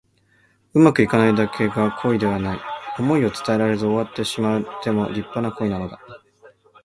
うまくいかないだけが恋ではない。想いを伝えられず終わってしまっても立派な恋なのだ。